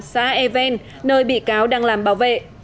xã e ven nơi bị cáo đang làm bảo vệ